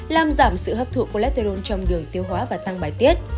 làm giảm sự hấp thụ củaletteron trong đường tiêu hóa và tăng bài tiết